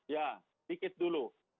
ya sedikit dulu